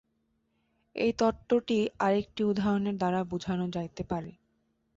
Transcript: এই তত্ত্বটি আর একটি উদাহরণের দ্বারা বুঝানো যাইতে পারে।